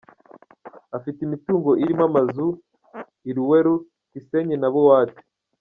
Afite imitungo irimo amazu, i Luweero, Kisenyi na Buwaate.